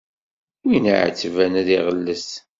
Win iɛettben ad iɣellet.